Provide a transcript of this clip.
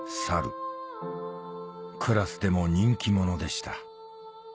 「クラスでも人気者でした」